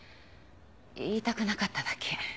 言いたくなかっただけ。